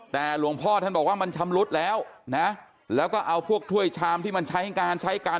แต่หลวงพ่อท่านบอกว่ามันชำรุดแล้วนะแล้วก็เอาพวกถ้วยชามที่มันใช้งานใช้กัน